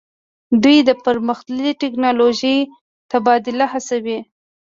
دوی د پرمختللې ټیکنالوژۍ تبادله هڅوي